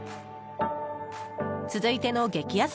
続いての激安